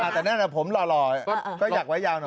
แต่นั่นผมหล่อก็อยากไว้ยาวหน่อย